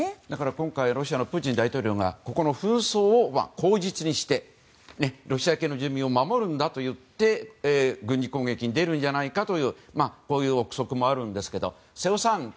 だから今回ロシアのプーチン大統領がここの紛争を口実にしてロシア系の住民を守るんだと軍事攻撃に出るんじゃないかというこういう憶測もあるんですが瀬尾さん